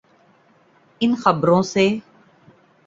ان خبروں سے؟